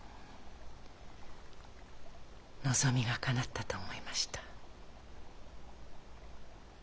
望みが叶ったと思いました。